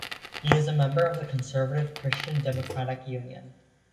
He is a member of the conservative Christian Democratic Union.